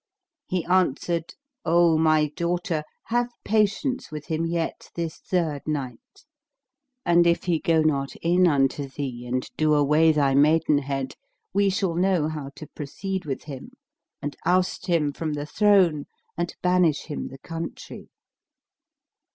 He answered, "O my daughter, have patience with him yet this third night, and if he go not in unto thee and do away thy maidenhead, we shall know how to proceed with him and oust him from the throne and banish him the country."